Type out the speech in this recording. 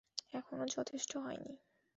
এখনো যথেষ্ট হয়নি।